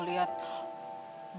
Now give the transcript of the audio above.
matanya nyomote kalau udah begini